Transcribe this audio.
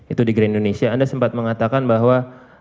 itu di grand indonesia anda sempat mengatakan bahwa